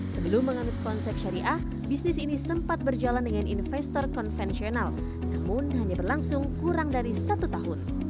sebelum mengambil konsep syariah bisnis ini sempat berjalan dengan investor konvensional namun hanya berlangsung kurang dari satu tahun